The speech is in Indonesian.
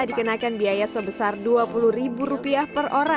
dikenakan biaya sebesar rp dua puluh